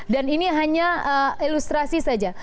dan ini hanya ilustrasi saja